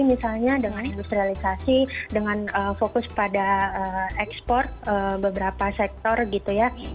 misalnya dengan industrialisasi dengan fokus pada ekspor beberapa sektor gitu ya